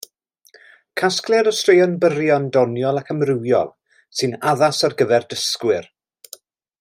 Casgliad o straeon byrion doniol ac amrywiol sy'n addas ar gyfer dysgwyr.